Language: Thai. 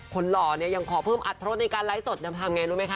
คนหล่อเนี่ยยังขอเพิ่มอัดโทษในการไลค์สดทำยังไงรู้ไหมคะ